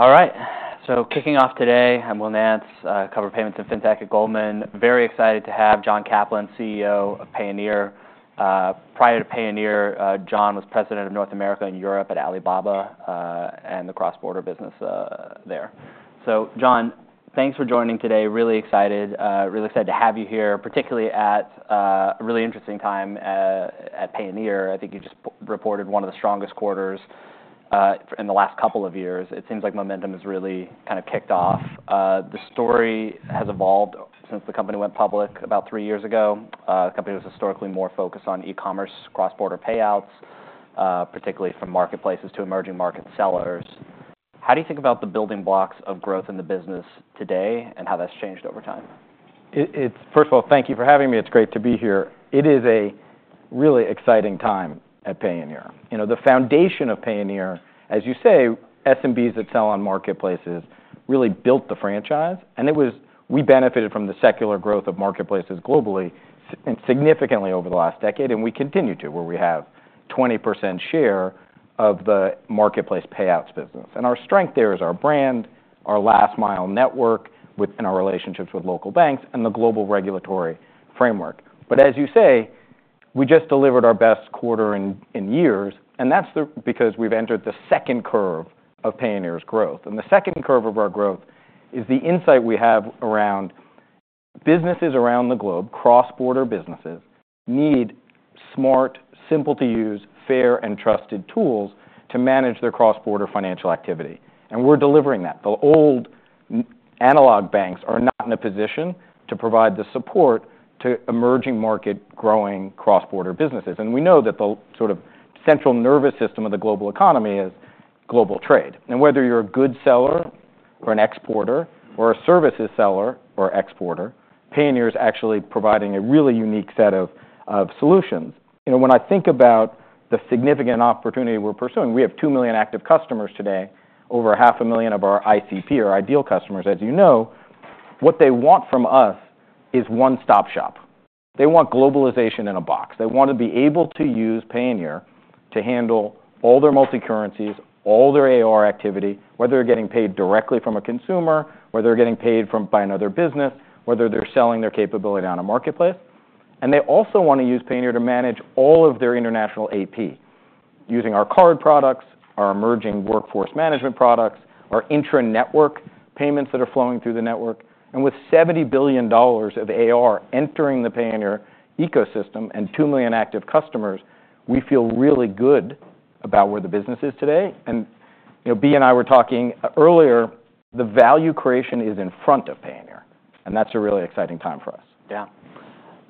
All right, so kicking off today, I'm Will Nance. I cover payments and fintech at Goldman. Very excited to have John Caplan, CEO of Payoneer. Prior to Payoneer, John was President of North America and Europe at Alibaba, and the cross-border business there. So John, thanks for joining today. Really excited. Really excited to have you here, particularly at a really interesting time at Payoneer. I think you just reported one of the strongest quarters in the last couple of years. It seems like momentum has really kind of kicked off. The story has evolved since the company went public about three years ago. The company was historically more focused on e-commerce, cross-border payouts, particularly from marketplaces to emerging market sellers. How do you think about the building blocks of growth in the business today, and how that's changed over time? First of all, thank you for having me. It's great to be here. It is a really exciting time at Payoneer. You know, the foundation of Payoneer, as you say, SMBs that sell on marketplaces really built the franchise, and it was. We benefited from the secular growth of marketplaces globally significantly over the last decade, and we continue to, where we have 20% share of the marketplace payouts business. And our strength there is our brand, our last-mile network, and our relationships with local banks, and the global regulatory framework. But as you say, we just delivered our best quarter in years, and that's because we've entered the second curve of Payoneer's growth. And the second curve of our growth is the insight we have around businesses around the globe. Cross-border businesses need smart, simple-to-use, fair, and trusted tools to manage their cross-border financial activity, and we're delivering that. The old analog banks are not in a position to provide the support to emerging market, growing cross-border businesses, and we know that the sort of central nervous system of the global economy is global trade. And whether you're a good seller or an exporter, or a services seller or exporter, Payoneer is actually providing a really unique set of solutions. You know, when I think about the significant opportunity we're pursuing, we have two million active customers today, over 500,000 of our ICP or ideal customers. As you know, what they want from us is one-stop shop. They want globalization in a box. They want to be able to use Payoneer to handle all their multi-currencies, all their AR activity, whether they're getting paid directly from a consumer, whether they're getting paid from by another business, whether they're selling their capability on a marketplace, and they also want to use Payoneer to manage all of their international AP. Using our card products, our emerging workforce management products, our intra-network payments that are flowing through the network, and with $70 billion of AR entering the Payoneer ecosystem and 2 million active customers, we feel really good about where the business is today, you know, B and I were talking earlier, the value creation is in front of Payoneer, and that's a really exciting time for us. Yeah.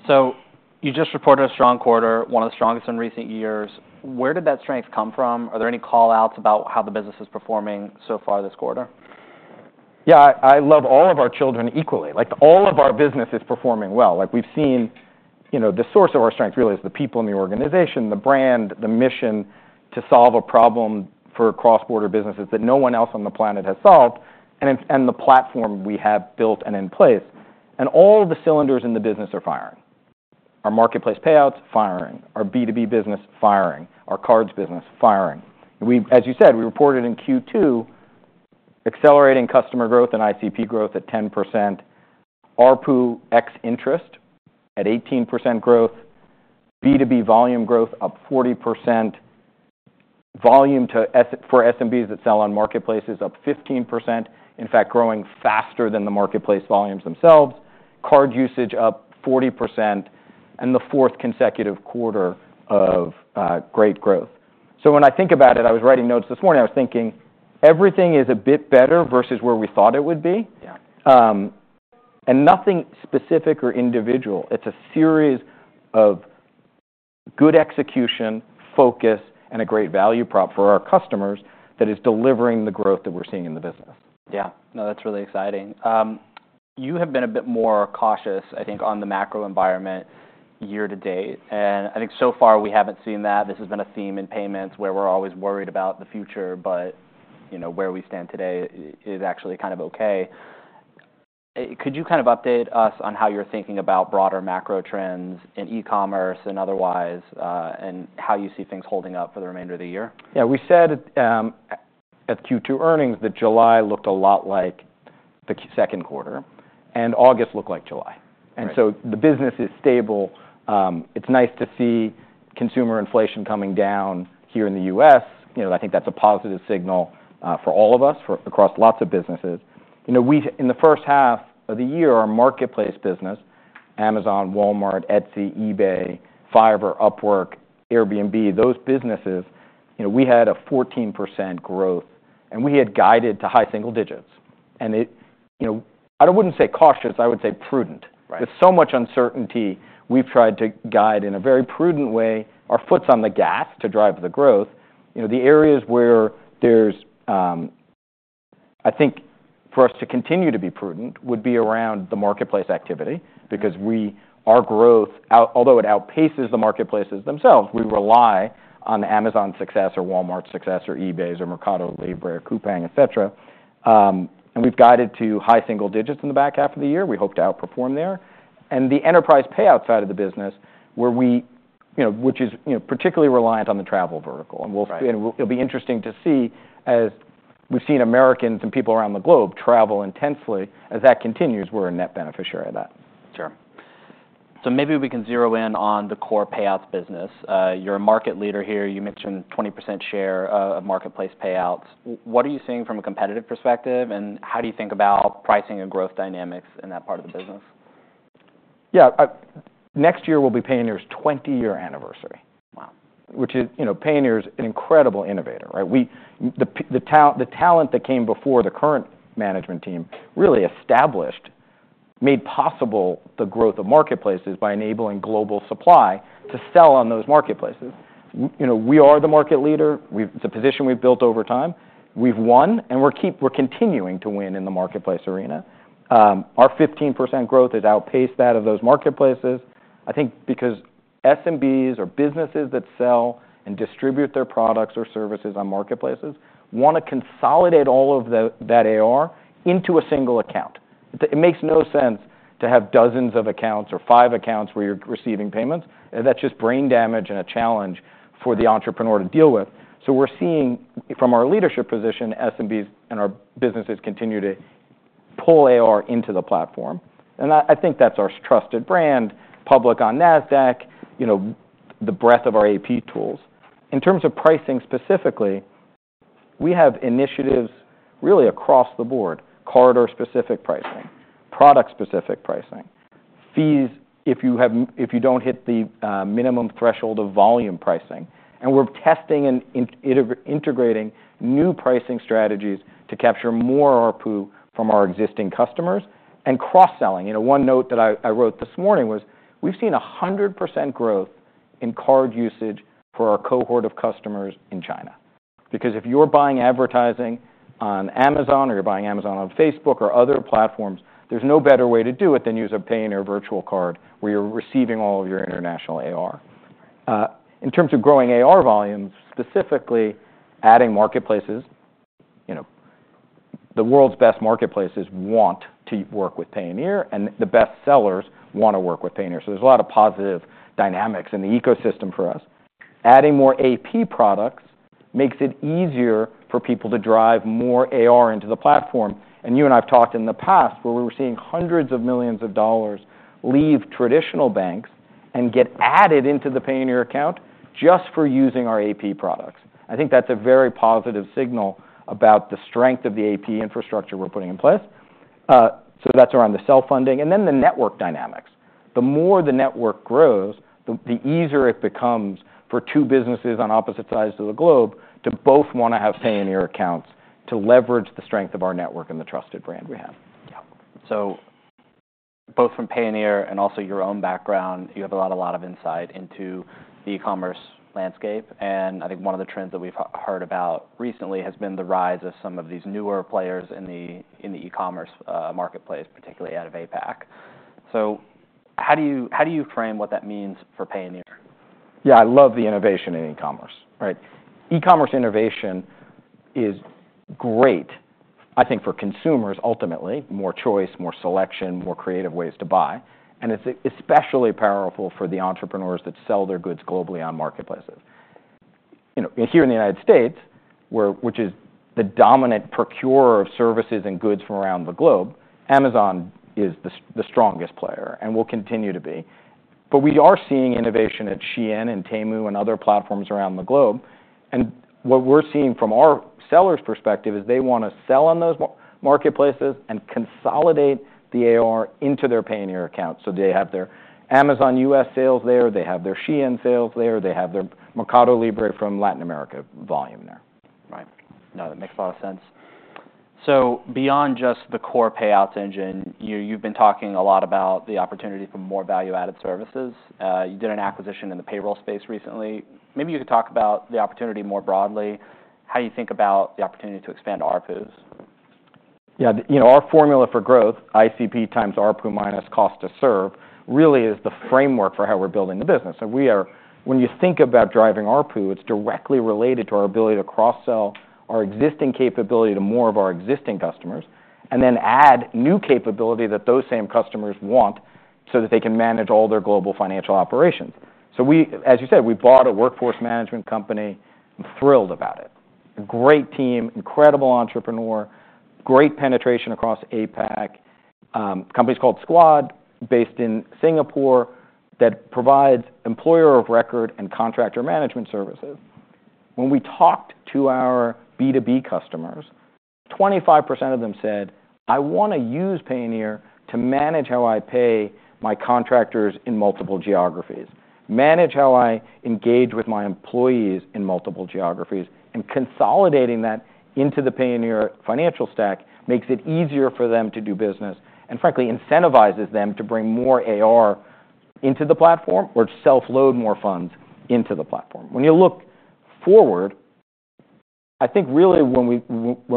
So you just reported a strong quarter, one of the strongest in recent years. Where did that strength come from? Are there any call-outs about how the business is performing so far this quarter? Yeah. I love all of our children equally. Like, all of our business is performing well. You know, the source of our strength really is the people in the organization, the brand, the mission to solve a problem for cross-border businesses that no one else on the planet has solved, and the platform we have built and in place, and all the cylinders in the business are firing. Our marketplace payouts firing, our B2B business firing, our cards business firing. We've as you said, we reported in Q2, accelerating customer growth and ICP growth at 10%, ARPU ex interest at 18% growth, B2B volume growth up 40%, volume for SMBs that sell on marketplaces up 15%. In fact, growing faster than the marketplace volumes themselves. Card usage up 40%, and the fourth consecutive quarter of great growth. So when I think about it, I was writing notes this morning, I was thinking, everything is a bit better versus where we thought it would be. Yeah. And nothing specific or individual. It's a series of good execution, focus, and a great value prop for our customers, that is delivering the growth that we're seeing in the business. Yeah. No, that's really exciting. You have been a bit more cautious, I think, on the macro environment year to date, and I think so far we haven't seen that. This has been a theme in payments, where we're always worried about the future, but, you know, where we stand today is actually kind of okay. Could you kind of update us on how you're thinking about broader macro trends in e-commerce and otherwise, and how you see things holding up for the remainder of the year? Yeah, we said at Q2 earnings that July looked a lot like the second quarter, and August looked like July. Right. And so the business is stable. It's nice to see consumer inflation coming down here in the U.S. You know, I think that's a positive signal for all of us, across lots of businesses. You know, we've. In the first half of the year, our marketplace business, Amazon, Walmart, Etsy, eBay, Fiverr, Upwork, Airbnb, those businesses, you know, we had a 14% growth, and we had guided to high single digits. And it. You know, I wouldn't say cautious, I would say prudent. Right. With so much uncertainty, we've tried to guide in a very prudent way. Our foot's on the gas to drive the growth. You know, the areas where there's, I think for us to continue to be prudent, would be around the marketplace activity, because we- Yeah. Our growth, although it outpaces the marketplaces themselves, we rely on Amazon's success or Walmart's success, or eBay's, or MercadoLibre, Coupang, et cetera. And we've guided to high single digits in the back half of the year. We hope to outperform there. And the enterprise payout side of the business, you know, which is, you know, particularly reliant on the travel vertical. Right. And it'll be interesting to see, as we've seen Americans and people around the globe travel intensely, as that continues, we're a net beneficiary of that. Sure. So maybe we can zero in on the core payouts business. You're a market leader here. You mentioned 20% share of marketplace payouts. What are you seeing from a competitive perspective, and how do you think about pricing and growth dynamics in that part of the business? Yeah, next year will be Payoneer's twenty-year anniversary. Wow! Which is, you know, Payoneer is an incredible innovator, right? The talent that came before the current management team really established, made possible the growth of marketplaces by enabling global supply to sell on those marketplaces. You know, we are the market leader. It's a position we've built over time. We've won, and we're continuing to win in the marketplace arena. Our 15% growth has outpaced that of those marketplaces, I think because SMBs or businesses that sell and distribute their products or services on marketplaces want to consolidate all of that AR into a single account. It makes no sense to have dozens of accounts or five accounts where you're receiving payments. That's just brain damage and a challenge for the entrepreneur to deal with. We're seeing, from our leadership position, SMBs and our businesses continue to pull AR into the platform, and I think that's our trusted brand, public on Nasdaq, you know, the breadth of our AP tools. In terms of pricing specifically, we have initiatives really across the board: corridor-specific pricing, product-specific pricing, fees if you don't hit the minimum threshold of volume pricing, and we're testing and integrating new pricing strategies to capture more ARPU from our existing customers and cross-selling. You know, one note that I wrote this morning was, we've seen 100% growth in card usage for our cohort of customers in China. Because if you're buying advertising on Amazon, or you're buying ads on Facebook or other platforms, there's no better way to do it than use a Payoneer virtual card, where you're receiving all of your international AR. In terms of growing AR volumes, specifically adding marketplaces, you know, the world's best marketplaces want to work with Payoneer, and the best sellers want to work with Payoneer, so there's a lot of positive dynamics in the ecosystem for us. Adding more AP products makes it easier for people to drive more AR into the platform, and you and I have talked in the past, where we were seeing hundreds of millions of dollars leave traditional banks and get added into the Payoneer account just for using our AP products. I think that's a very positive signal about the strength of the AP infrastructure we're putting in place. So that's around the self-funding, and then the network dynamics. The more the network grows, the easier it becomes for two businesses on opposite sides of the globe to both want to have Payoneer accounts to leverage the strength of our network and the trusted brand we have. Yeah. So both from Payoneer and also your own background, you have a lot, a lot of insight into the e-commerce landscape, and I think one of the trends that we've heard about recently has been the rise of some of these newer players in the, in the e-commerce marketplace, particularly out of APAC. So how do you, how do you frame what that means for Payoneer? Yeah, I love the innovation in e-commerce, right? E-commerce innovation is great, I think, for consumers, ultimately. More choice, more selection, more creative ways to buy, and it's especially powerful for the entrepreneurs that sell their goods globally on marketplaces. You know, here in the United States, which is the dominant procurer of services and goods from around the globe, Amazon is the strongest player and will continue to be. But we are seeing innovation at Shein and Temu and other platforms around the globe. And what we're seeing from our sellers' perspective is they want to sell on those marketplaces and consolidate the AR into their Payoneer account, so they have their Amazon US sales there, they have their Shein sales there, they have their Mercado Libre from Latin America volume there. Right. No, that makes a lot of sense. So beyond just the core payouts engine, you, you've been talking a lot about the opportunity for more value-added services. You did an acquisition in the payroll space recently. Maybe you could talk about the opportunity more broadly, how you think about the opportunity to expand ARPUs? Yeah, you know, our formula for growth, ICP times ARPU minus cost to serve, really is the framework for how we're building the business. So we are... When you think about driving ARPU, it's directly related to our ability to cross-sell our existing capability to more of our existing customers and then add new capability that those same customers want, so that they can manage all their global financial operations. So we- as you said, we bought a workforce management company. I'm thrilled about it. A great team, incredible entrepreneur, great penetration across APAC, company's called Squad, based in Singapore, that provides employer of record and contractor management services. When we talked to our B2B customers, 25% of them said, "I wanna use Payoneer to manage how I pay my contractors in multiple geographies, manage how I engage with my employees in multiple geographies." And consolidating that into the Payoneer financial stack makes it easier for them to do business, and frankly, incentivizes them to bring more AR into the platform or self-load more funds into the platform. When you look forward, I think really when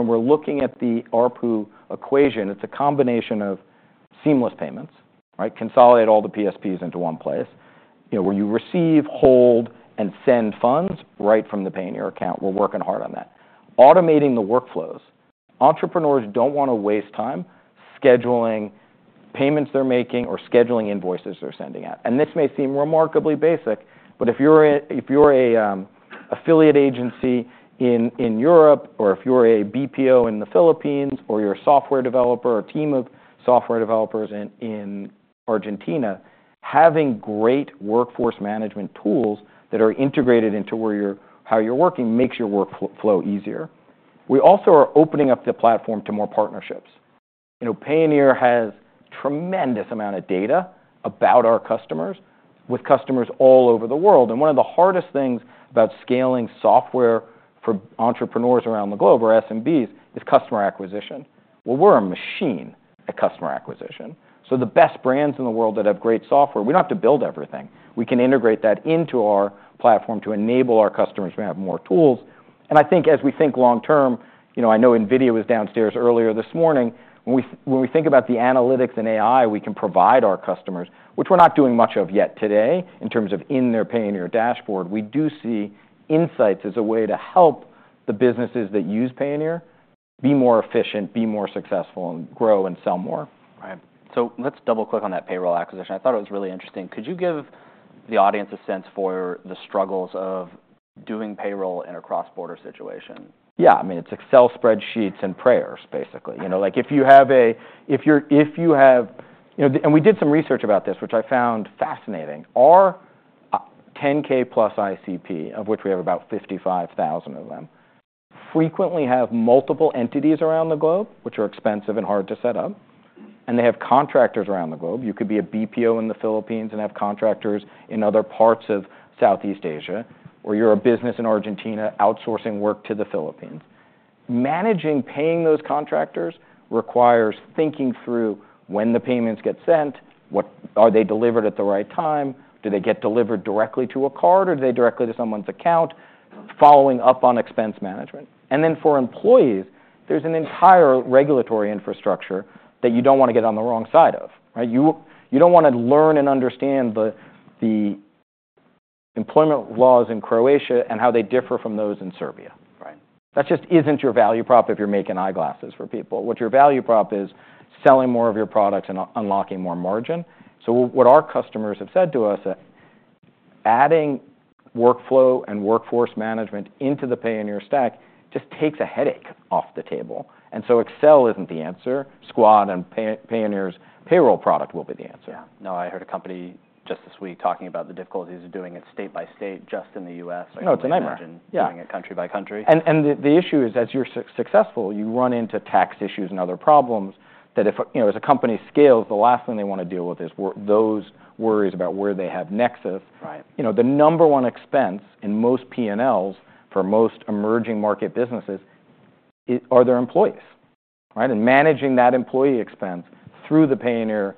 we're looking at the ARPU equation, it's a combination of seamless payments, right? Consolidate all the PSPs into one place, you know, where you receive, hold, and send funds right from the Payoneer account. We're working hard on that. Automating the workflows. Entrepreneurs don't wanna waste time scheduling payments they're making or scheduling invoices they're sending out. This may seem remarkably basic, but if you're a affiliate agency in Europe, or if you're a BPO in the Philippines, or you're a software developer or team of software developers in Argentina, having great workforce management tools that are integrated into where you're working, how you're working, makes your workflow easier. We also are opening up the platform to more partnerships. You know, Payoneer has tremendous amount of data about our customers, with customers all over the world, and one of the hardest things about scaling software for entrepreneurs around the globe or SMBs is customer acquisition. We're a machine at customer acquisition. The best brands in the world that have great software, we don't have to build everything. We can integrate that into our platform to enable our customers to have more tools. And I think as we think long term, you know, I know NVIDIA was downstairs earlier this morning. When we think about the analytics and AI we can provide our customers, which we're not doing much of yet today, in terms of in their Payoneer dashboard, we do see insights as a way to help the businesses that use Payoneer be more efficient, be more successful, and grow and sell more. Right. So let's double-click on that payroll acquisition. I thought it was really interesting. Could you give the audience a sense for the struggles of doing payroll in a cross-border situation? Yeah. I mean, it's Excel spreadsheets and prayers, basically. Right. You know, like, if you have. You know, and we did some research about this, which I found fascinating. Our 10K+ ICP, of which we have about 55,000 of them, frequently have multiple entities around the globe, which are expensive and hard to set up, and they have contractors around the globe. You could be a BPO in the Philippines and have contractors in other parts of Southeast Asia, or you're a business in Argentina outsourcing work to the Philippines. Managing paying those contractors requires thinking through when the payments get sent, what are they delivered at the right time? Do they get delivered directly to a card or are they directly to someone's account? Following up on expense management. Then for employees, there's an entire regulatory infrastructure that you don't wanna get on the wrong side of, right? You don't wanna learn and understand the employment laws in Croatia and how they differ from those in Serbia. Right. That just isn't your value prop if you're making eyeglasses for people. What your value prop is, selling more of your products and unlocking more margin. So what our customers have said to us, that adding workflow and workforce management into the Payoneer stack just takes a headache off the table. And so Excel isn't the answer, Squad and Payoneer's payroll product will be the answer. Yeah. No, I heard a company just this week talking about the difficulties of doing it state by state, just in the U.S. No, it's a nightmare. I can imagine- Yeah... doing it country by country. The issue is, as you're successful, you run into tax issues and other problems that, you know, as a company scales, the last thing they wanna deal with is those worries about where they have nexus. Right. You know, the number one expense in most P&Ls for most emerging market businesses are their employees, right? And managing that employee expense through the Payoneer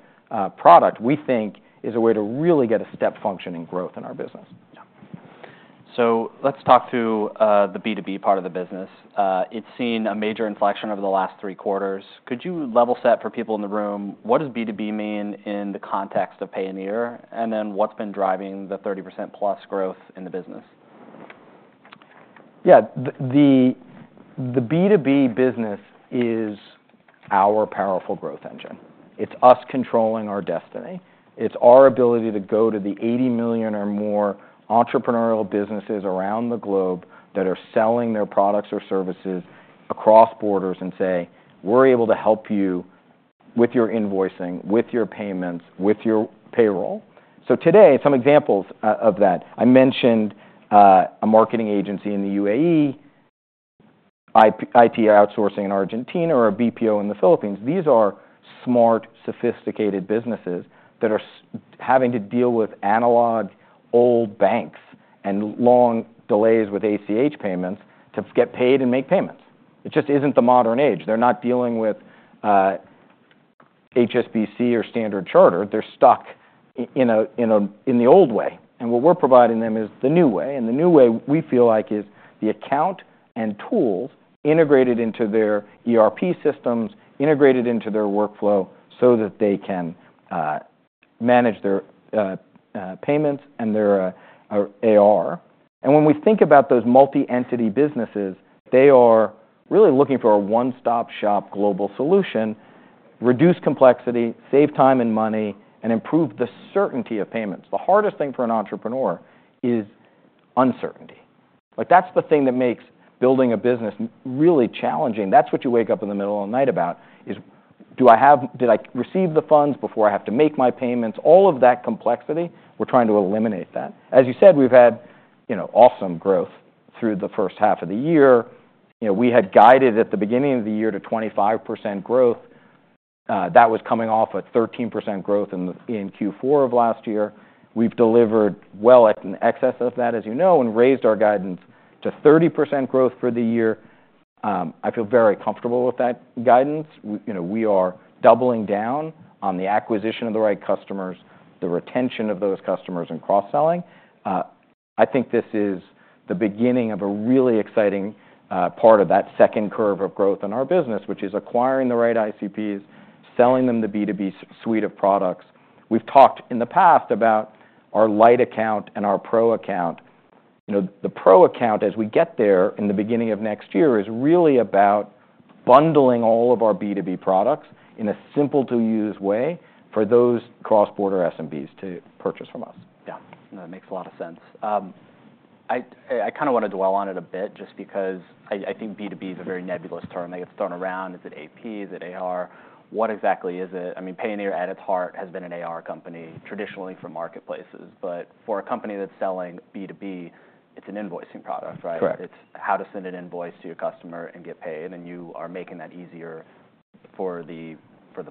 product, we think is a way to really get a step function in growth in our business. Yeah, so let's talk to the B2B part of the business. It's seen a major inflection over the last three quarters. Could you level set for people in the room, what does B2B mean in the context of Payoneer, and then, what's been driving the 30% plus growth in the business? Yeah. The B2B business is our powerful growth engine. It's us controlling our destiny. It's our ability to go to the eighty million or more entrepreneurial businesses around the globe that are selling their products or services across borders and say, "We're able to help you with your invoicing, with your payments, with your payroll." So today, some examples of that, I mentioned, a marketing agency in the UAE, IT outsourcing in Argentina, or a BPO in the Philippines. These are smart, sophisticated businesses that are having to deal with analog, old banks, and long delays with ACH payments to get paid and make payments. It just isn't the modern age. They're not dealing with HSBC or Standard Chartered. They're stuck in the old way, and what we're providing them is the new way, and the new way, we feel like, is the account and tools integrated into their ERP systems, integrated into their workflow so that they can manage their payments and their AR. And when we think about those multi-entity businesses, they are really looking for a one-stop shop global solution, reduce complexity, save time and money, and improve the certainty of payments. The hardest thing for an entrepreneur is uncertainty. Like, that's the thing that makes building a business really challenging. That's what you wake up in the middle of the night about, is do I have did I receive the funds before I have to make my payments? All of that complexity, we're trying to eliminate that. As you said, we've had, you know, awesome growth through the first half of the year. You know, we had guided at the beginning of the year to 25% growth, that was coming off a 13% growth in Q4 of last year. We've delivered well at an excess of that, as you know, and raised our guidance to 30% growth for the year. I feel very comfortable with that guidance. You know, we are doubling down on the acquisition of the right customers, the retention of those customers, and cross-selling. I think this is the beginning of a really exciting part of that second curve of growth in our business, which is acquiring the right ICPs, selling them the B2B suite of products. We've talked in the past about our Lite account and our pro account. You know, the Pro account as we get there in the beginning of next year, is really about bundling all of our B2B products in a simple-to-use way for those cross-border SMBs to purchase from us. Yeah, that makes a lot of sense. I kind of want to dwell on it a bit just because I think B2B is a very nebulous term. They get thrown around. Is it AP? Is it AR? What exactly is it? I mean, Payoneer at its heart has been an AR company traditionally for marketplaces, but for a company that's selling B2B, it's an invoicing product, right? Correct. It's how to send an invoice to your customer and get paid, and you are making that easier for the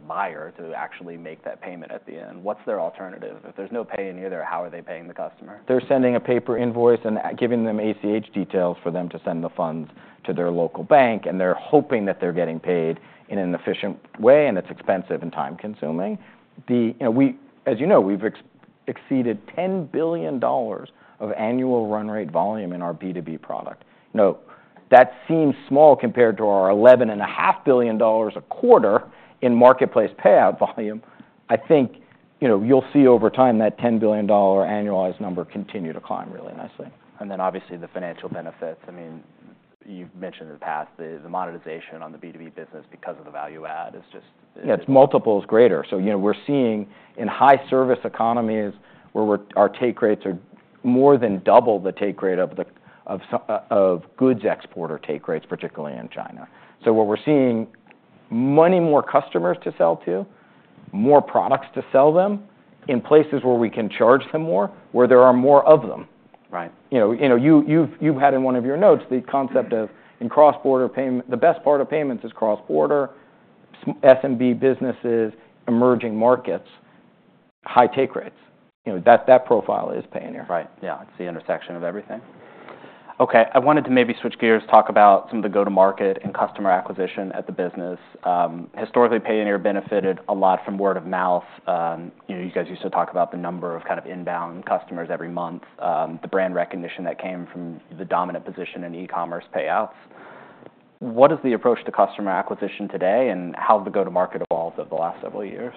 buyer to actually make that payment at the end. What's their alternative? If there's no Payoneer there, how are they paying the customer? They're sending a paper invoice and giving them ACH details for them to send the funds to their local bank, and they're hoping that they're getting paid in an efficient way, and it's expensive and time-consuming. You know, as you know, we've exceeded $10 billion of annual run rate volume in our B2B product. You know, that seems small compared to our $11.5 billion a quarter in marketplace payout volume. I think, you know, you'll see over time that $10 billion annualized number continue to climb really nicely. And then obviously, the financial benefits. I mean, you've mentioned in the past, the monetization on the B2B business because of the value add is just- Yeah, it's multiple is greater. So, you know, we're seeing in high-service economies where we're our take rates are more than double the take rate of the goods exporter take rates, particularly in China. So what we're seeing, many more customers to sell to, more products to sell them in places where we can charge them more, where there are more of them. Right. You know, you've had in one of your notes the concept of in cross-border payment, the best part of payments is cross-border, SMB businesses, emerging markets, high take rates. You know, that profile is Payoneer. Right. Yeah, it's the intersection of everything. Okay, I wanted to maybe switch gears, talk about some of the go-to-market and customer acquisition at the business. Historically, Payoneer benefited a lot from word of mouth. You know, you guys used to talk about the number of kind of inbound customers every month, the brand recognition that came from the dominant position in e-commerce payouts. What is the approach to customer acquisition today, and how has the go-to-market evolved over the last several years?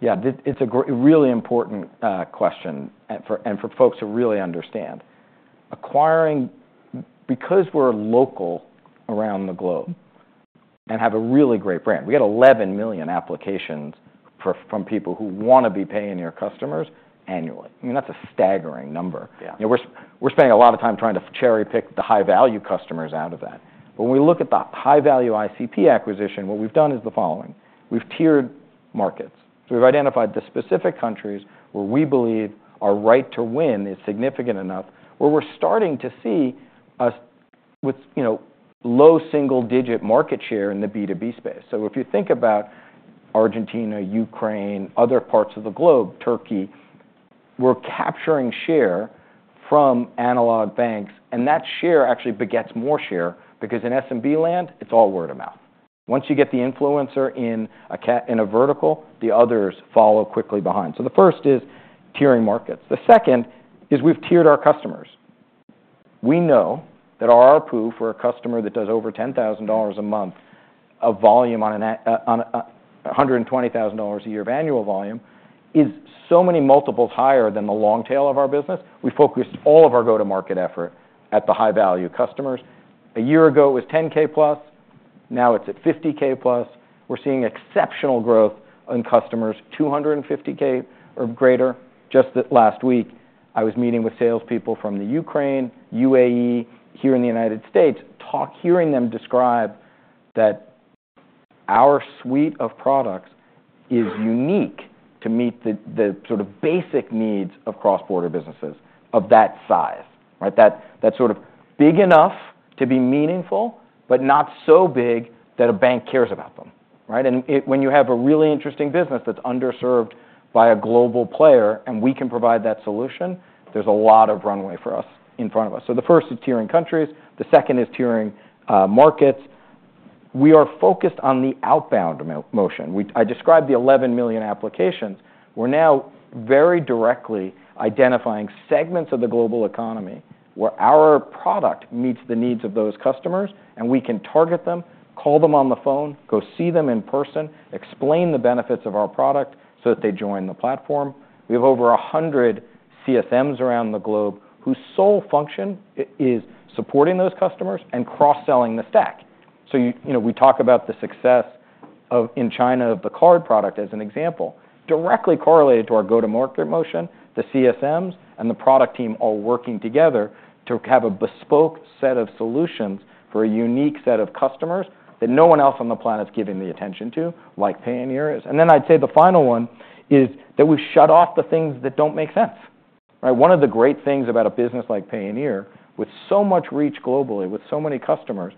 Yeah, it's a great, a really important question, and for folks to really understand. Because we're local around the globe and have a really great brand, we get 11 million applications from people who want to be Payoneer customers annually. I mean, that's a staggering number. Yeah. We're spending a lot of time trying to cherry-pick the high-value customers out of that. But when we look at the high-value ICP acquisition, what we've done is the following: We've tiered markets. So we've identified the specific countries where we believe our right to win is significant enough, where we're starting to see ourselves with, you know, low single-digit market share in the B2B space. So if you think about Argentina, Ukraine, other parts of the globe, Turkey, we're capturing share from analog banks, and that share actually begets more share because in SMB land, it's all word of mouth. Once you get the influencer in a vertical, the others follow quickly behind. So the first is tiering markets. The second is we've tiered our customers. We know that our approver for a customer that does over $10,000 a month of volume on an on a $120,000 a year of annual volume, is so many multiples higher than the long tail of our business. We focused all of our go-to-market effort at the high-value customers. A year ago, it was 10K plus. Now, it's at 50K plus. We're seeing exceptional growth in customers, 250K or greater. Just the last week, I was meeting with salespeople from the Ukraine, UAE, here in the United States, hearing them describe that our suite of products is unique to meet the the sort of basic needs of cross-border businesses of that size, right? That, that's sort of big enough to be meaningful, but not so big that a bank cares about them, right? When you have a really interesting business that's underserved by a global player, and we can provide that solution, there's a lot of runway for us in front of us. So the first is tiering countries, the second is tiering markets. We are focused on the outbound motion. I described the eleven million applications. We're now very directly identifying segments of the global economy where our product meets the needs of those customers, and we can target them, call them on the phone, go see them in person, explain the benefits of our product so that they join the platform. We have over a hundred CSMs around the globe whose sole function is supporting those customers and cross-selling the stack. So you... You know, we talk about the success of, in China, of the card product as an example, directly correlated to our go-to-market motion, the CSMs and the product team all working together to have a bespoke set of solutions for a unique set of customers that no one else on the planet is giving the attention to, like Payoneer is. And then I'd say the final one is that we've shut off the things that don't make sense, right? One of the great things about a business like Payoneer, with so much reach globally, with so many customers,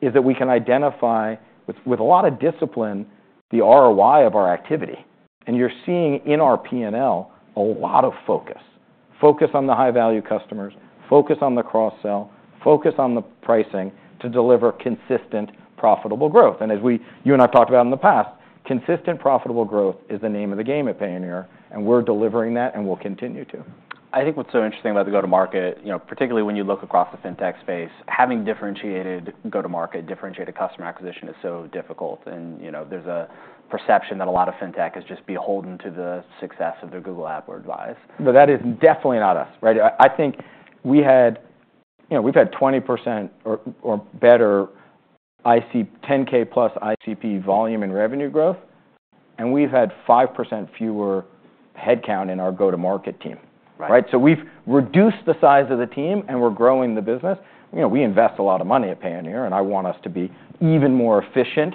is that we can identify, with a lot of discipline, the ROI of our activity. And you're seeing in our P&L, a lot of focus. Focus on the high-value customers, focus on the cross-sell, focus on the pricing to deliver consistent, profitable growth. And as you and I talked about in the past, consistent, profitable growth is the name of the game at Payoneer, and we're delivering that, and we'll continue to. I think what's so interesting about the go-to-market, you know, particularly when you look across the fintech space, having differentiated go-to-market, differentiated customer acquisition is so difficult, and you know, there's a perception that a lot of fintech is just beholden to the success of their Google AdWords buys. But that is definitely not us, right? You know, we've had 20% or better in 10K plus ICP volume and revenue growth, and we've had 5% fewer headcount in our go-to-market team. Right. Right? So we've reduced the size of the team, and we're growing the business. You know, we invest a lot of money at Payoneer, and I want us to be even more efficient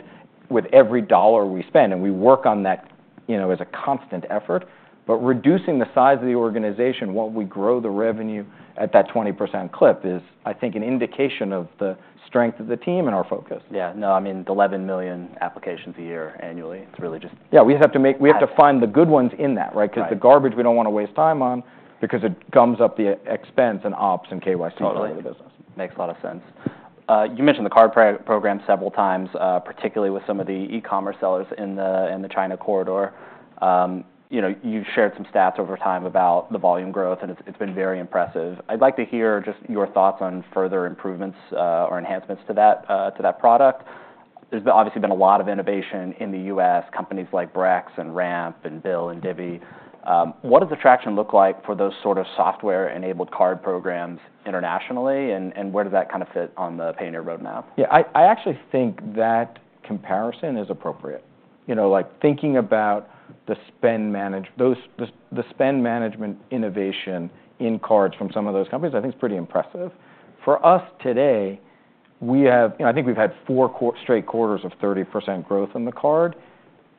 with every dollar we spend, and we work on that, you know, as a constant effort. But reducing the size of the organization while we grow the revenue at that 20% clip is, I think, an indication of the strength of the team and our focus. Yeah. No, I mean, eleven million applications a year annually, it's really just- Yeah, we have to find the good ones in that, right? Right. 'Cause the garbage we don't wanna waste time on, because it gums up the expense and ops and KYC side of the business. Totally. Makes a lot of sense. You mentioned the card program several times, particularly with some of the e-commerce sellers in the China corridor. You know, you've shared some stats over time about the volume growth, and it's been very impressive. I'd like to hear just your thoughts on further improvements or enhancements to that product. There's obviously been a lot of innovation in the U.S., companies like Brex and Ramp and Bill and Divvy. What does the traction look like for those sort of software-enabled card programs internationally, and where does that kind of fit on the Payoneer roadmap? Yeah, I actually think that comparison is appropriate. You know, like, thinking about the spend management innovation in cards from some of those companies, I think is pretty impressive. For us today, we have... You know, I think we've had four straight quarters of 30% growth in the card.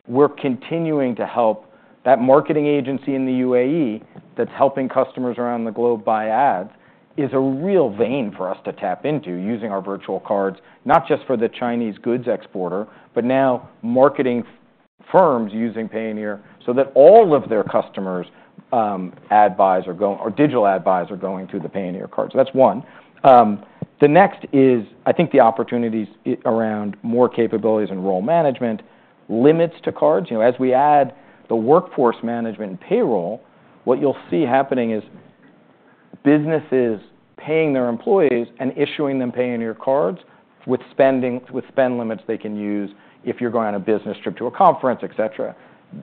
We're continuing to help that marketing agency in the UAE that's helping customers around the globe buy ads, is a real vein for us to tap into using our virtual cards, not just for the Chinese goods exporter, but now marketing firms using Payoneer so that all of their customers, ad buys or digital ad buys are going through the Payoneer card. So that's one. The next is, I think the opportunities around more capabilities and role management, limits to cards. You know, as we add the workforce management payroll, what you'll see happening is businesses paying their employees and issuing them Payoneer cards with spend limits they can use if you're going on a business trip to a conference, et cetera.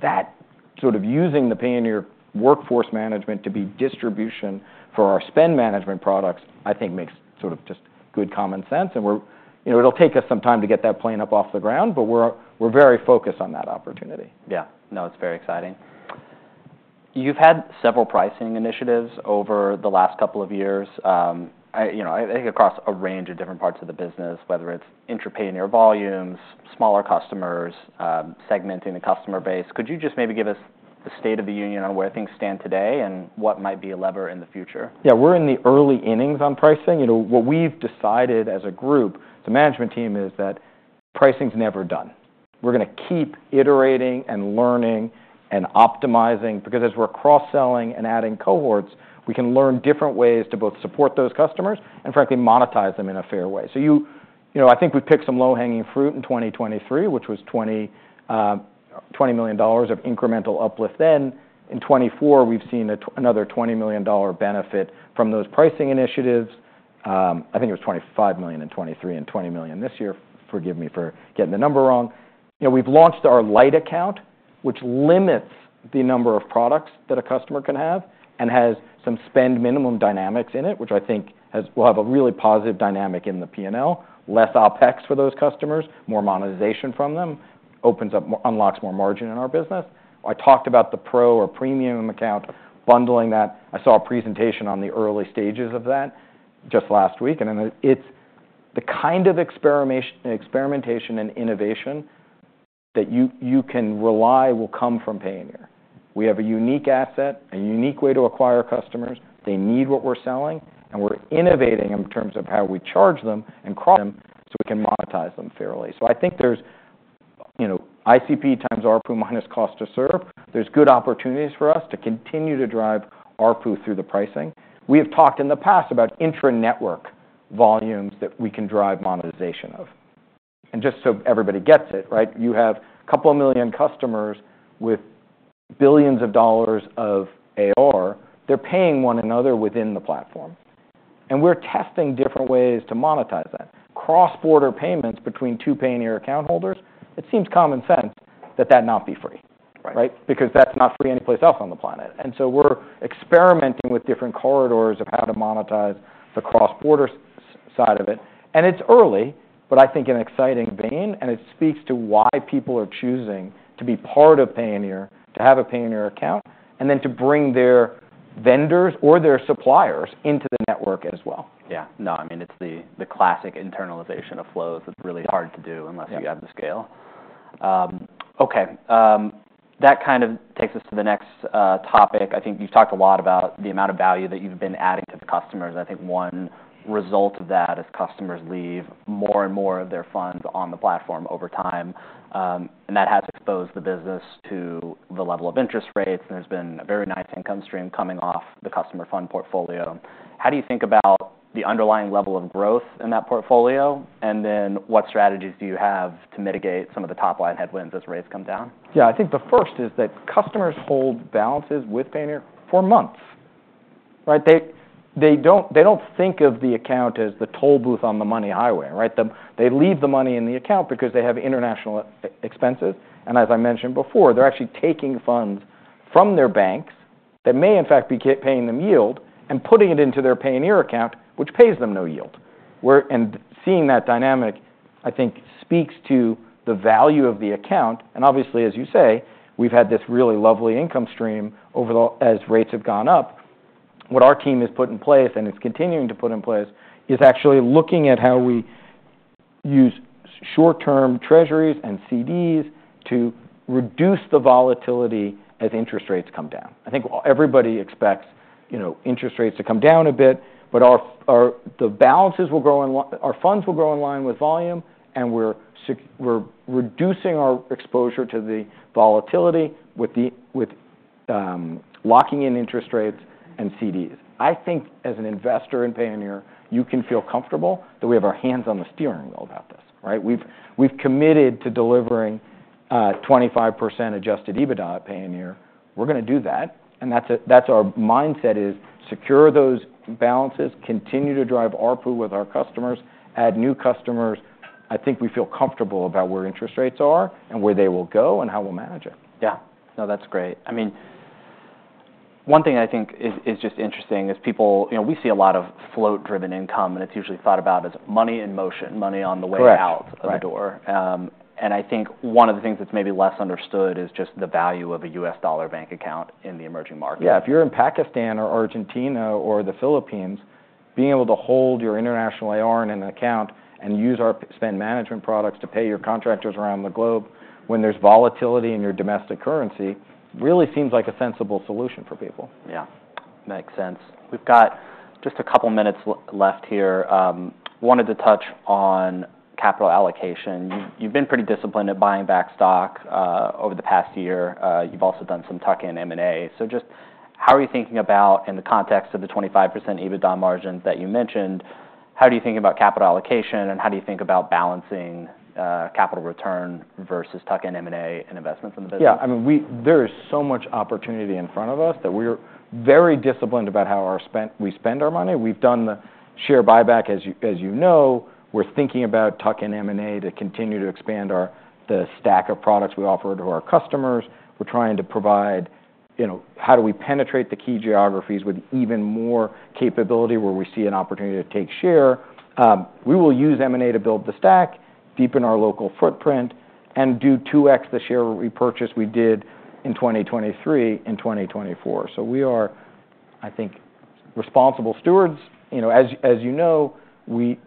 That sort of using the Payoneer workforce management to be distribution for our spend management products, I think makes sort of just good common sense. And we're, you know, it'll take us some time to get that plane up off the ground, but we're very focused on that opportunity. Yeah. No, it's very exciting. You've had several pricing initiatives over the last couple of years. You know, I think across a range of different parts of the business, whether it's intra-Payoneer volumes, smaller customers, segmenting the customer base. Could you just maybe give us the state of the union on where things stand today and what might be a lever in the future? Yeah, we're in the early innings on pricing. You know, what we've decided as a group, as a management team, is that pricing's never done. We're gonna keep iterating and learning and optimizing, because as we're cross-selling and adding cohorts, we can learn different ways to both support those customers and, frankly, monetize them in a fair way. So you know, I think we picked some low-hanging fruit in 2023, which was $20 million of incremental uplift then. In 2024, we've seen another $20 million dollar benefit from those pricing initiatives. I think it was $25 million in 2023 and $20 million this year. Forgive me for getting the number wrong. You know, we've launched our Lite Account, which limits the number of products that a customer can have, and has some spend minimum dynamics in it, which I think will have a really positive dynamic in the P&L. Less OpEx for those customers, more monetization from them, unlocks more margin in our business. I talked about the Pro or Premium Account, bundling that. I saw a presentation on the early stages of that just last week, and then it's the kind of experimentation and innovation that you can rely will come from Payoneer. We have a unique asset, a unique way to acquire customers. They need what we're selling, and we're innovating in terms of how we charge them and cross them, so we can monetize them fairly. So I think there's, you know, ICP times ARPU minus cost to serve. There's good opportunities for us to continue to drive ARPU through the pricing. We have talked in the past about intra-network volumes that we can drive monetization of, and just so everybody gets it, right, you have a couple of million customers with billions of dollars of AR. They're paying one another within the platform, and we're testing different ways to monetize that. Cross-border payments between two Payoneer account holders, it seems common sense that that not be free. Right. Right? Because that's not free anyplace else on the planet. And so we're experimenting with different corridors of how to monetize the cross-border side of it. And it's early, but I think an exciting vein, and it speaks to why people are choosing to be part of Payoneer, to have a Payoneer account, and then to bring their vendors or their suppliers into the network as well. Yeah. No, I mean, it's the classic internalization of flows that's really hard to do- Yeah... unless you have the scale. Okay, that kind of takes us to the next topic. I think you've talked a lot about the amount of value that you've been adding to the customers. I think one result of that is customers leave more and more of their funds on the platform over time, and that has exposed the business to the level of interest rates, and there's been a very nice income stream coming off the customer fund portfolio. How do you think about the underlying level of growth in that portfolio? And then what strategies do you have to mitigate some of the top-line headwinds as rates come down? Yeah. I think the first is that customers hold balances with Payoneer for months, right? They don't think of the account as the toll booth on the money highway, right? They leave the money in the account because they have international expenses, and as I mentioned before, they're actually taking funds from their banks that may in fact keep paying them yield, and putting it into their Payoneer account, which pays them no yield, and seeing that dynamic, I think, speaks to the value of the account, and obviously, as you say, we've had this really lovely income stream as rates have gone up. What our team has put in place, and is continuing to put in place, is actually looking at how we use short-term treasuries and CDs to reduce the volatility as interest rates come down. I think everybody expects, you know, interest rates to come down a bit, but our funds will grow in line with volume, and we're reducing our exposure to the volatility with locking in interest rates and CDs. I think as an investor in Payoneer, you can feel comfortable that we have our hands on the steering wheel about this, right? We've committed to delivering 25% Adjusted EBITDA at Payoneer. We're gonna do that, and that's it. That's our mindset, is secure those balances, continue to drive ARPU with our customers, add new customers. I think we feel comfortable about where interest rates are, and where they will go, and how we'll manage it. Yeah. No, that's great. I mean, one thing I think is just interesting is people... You know, we see a lot of float-driven income, and it's usually thought about as money in motion, money on the way- Correct... out the door. And I think one of the things that's maybe less understood is just the value of a U.S. dollar bank account in the emerging market. Yeah. If you're in Pakistan or Argentina or the Philippines, being able to hold your international AR in an account and use our spend management products to pay your contractors around the globe when there's volatility in your domestic currency, really seems like a sensible solution for people. Yeah. Makes sense. We've got just a couple minutes left here. Wanted to touch on capital allocation. You've been pretty disciplined at buying back stock over the past year. You've also done some tuck-in M&A. So just how are you thinking about, in the context of the 25% EBITDA margins that you mentioned, how do you think about capital allocation, and how do you think about balancing capital return versus tuck-in M&A and investments in the business? Yeah, I mean, there is so much opportunity in front of us that we're very disciplined about how we spend our money. We've done the share buyback, as you know. We're thinking about tuck-in M&A to continue to expand our, the stack of products we offer to our customers. We're trying to provide, you know, how do we penetrate the key geographies with even more capability, where we see an opportunity to take share? We will use M&A to build the stack, deepen our local footprint, and do two X the share repurchase we did in 2023, in 2024. So we are, I think, responsible stewards. You know, as you know,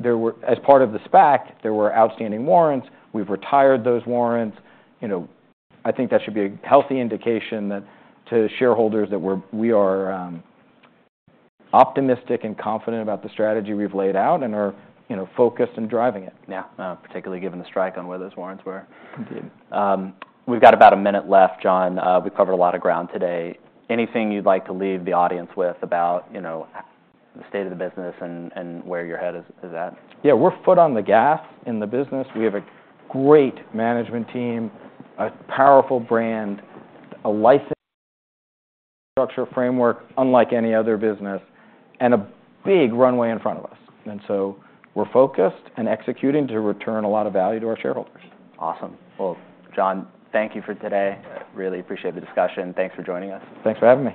there were... As part of the SPAC, there were outstanding warrants. We've retired those warrants. You know, I think that should be a healthy indication that, to shareholders, that we are optimistic and confident about the strategy we've laid out and are, you know, focused on driving it. Yeah, particularly given the strike on where those warrants were. Indeed. We've got about a minute left, John. We've covered a lot of ground today. Anything you'd like to leave the audience with about, you know, the state of the business and where your head is at? Yeah. We're foot on the gas in the business. We have a great management team, a powerful brand, a licensed structure framework unlike any other business, and a big runway in front of us, and so we're focused and executing to return a lot of value to our shareholders. Awesome. Well, John, thank you for today. Really appreciate the discussion. Thanks for joining us. Thanks for having me.